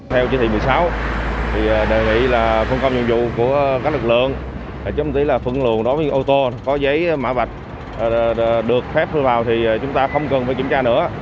theo chỉ thị một mươi sáu đề nghị là phương công nhiệm vụ của các lực lượng chấp tí là phương lượng đối với ô tô có giấy mã vạch được phép lưu vào thì chúng ta không cần phải kiểm tra nữa